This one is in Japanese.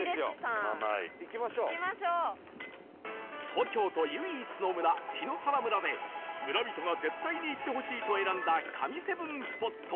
東京都唯一の村檜原村で村人が絶対に行ってほしいと選んだ神７スポット